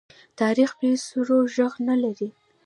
تاریخ بې سرو ږغ نه لري.